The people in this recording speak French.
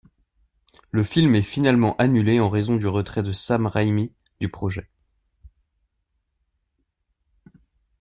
Le film est finalement annulé en raison du retrait de Sam Raimi du projet.